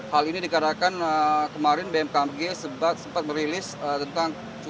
hal ini dikarenakan kemarin bmkg sempat merilis tentang